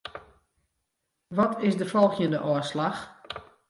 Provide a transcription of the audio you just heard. Wat is de folgjende ôfslach?